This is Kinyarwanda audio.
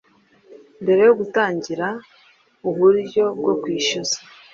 mbere yo gutangira uburyo bwo kwishyuza